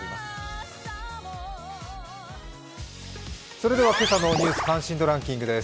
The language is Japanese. それでは今朝の「ニュース関心度ランキング」です。